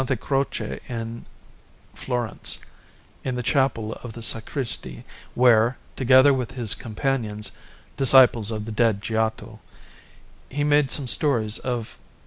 Croce in Florence, in the chapel of the sacristy, where, together with his companions, disciples of the dead Giotto, he made some stories of S.